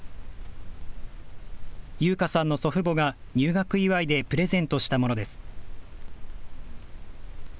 悠華さんの祖父母が入学祝いでプレゼントしたものです。